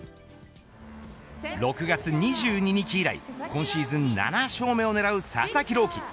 ６月２２日以来今シーズン７勝目を狙う佐々木朗希。